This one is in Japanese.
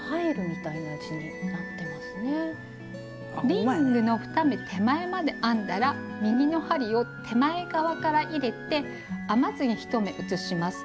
リングの２目手前まで編んだら右の針を手前側から入れて編まずに１目移します。